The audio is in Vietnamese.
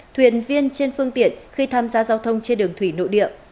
thuyền viên trên phương tiện khi tham gia giao thông trên đường thủy nội địa